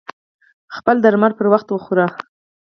خپل درمل پر وخت وخوری